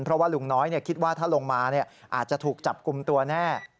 เพราะว่าลุงน้อยคิดว่าถ้าลงมาอาจจะถูกจับกลุ่มตัวแน่